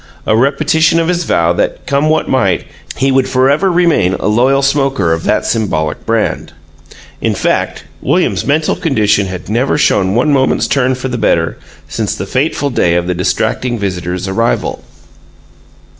a repetition of his vow that, come what might, he would forever remain a loyal smoker of that symbolic brand. In fact, William's mental condition had never shown one moment's turn for the better since the fateful day of the distracting visitor's arrival.